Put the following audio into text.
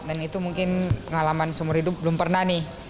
dan itu mungkin pengalaman seumur hidup belum pernah nih